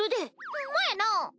ほんまやな！